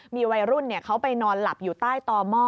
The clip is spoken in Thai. มีวัยรุ่นเขาไปนอนหลับอยู่ใต้ต่อหม้อ